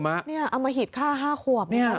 เอามาหิดฆ่าห้าควบ